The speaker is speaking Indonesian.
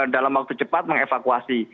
dalam waktu cepat mengevakuasi